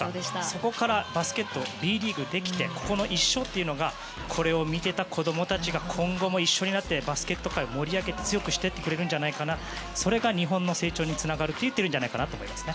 そこからバスケットＢリーグができてここの１勝というのがこれを見ていた子供たちが今後も一緒になってバスケット界を盛り上げて強くしていってくれるんじゃないかなそれが日本の成長につながるといってもいいと思います。